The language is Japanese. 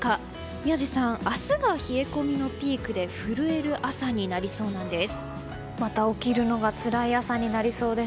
宮司さん明日が冷え込みのピークで震える朝になりそうなんです。